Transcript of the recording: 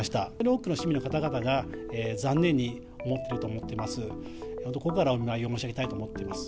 多くの市民の方々が残念に思っていると思ってます。